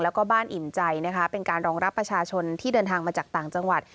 แล้วก็บ้านอิ่มใจนะคะเป็นการรองรับประชาชนที่เดินทางมาจากต่างจังหวัด